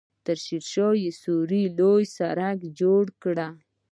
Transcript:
شیرشاه سوري لوی سړک جوړ کړ.